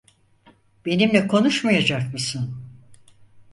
Benimle konuşmayacak mısın?